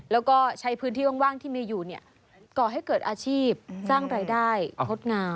แล้วก็ใช้พื้นที่ว่างที่มีอยู่ก่อให้เกิดอาชีพสร้างรายได้งดงาม